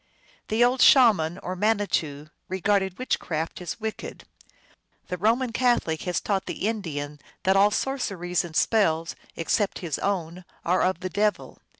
The old Shaman or Manitou regarded witchcraft as wicked. The Roman Catholic has taught the Indian that all sorceries and spells except his own are of the devil.